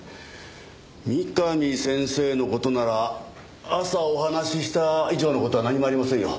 三上先生の事なら朝お話しした以上の事は何もありませんよ。